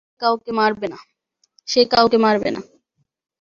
সে কাউকে মারবে না।